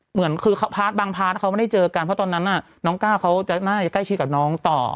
เหมือนคือพาร์ทบางพาร์ทเขาไม่ได้เจอกันเพราะตอนนั้นน้องก้าวเขาน่าจะใกล้ชิดกับน้องต่อ